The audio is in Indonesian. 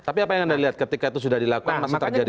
tapi apa yang anda lihat ketika itu sudah dilakukan masih terjadi